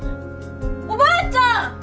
おばあちゃん！